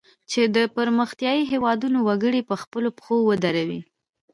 چې د پرمختیایي هیوادونو وګړي په خپلو پښو ودروي.